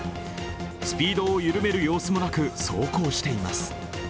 スピードを緩める様子もなく走行しています。